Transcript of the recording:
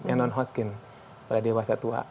yang non hot skin pada dewasa tua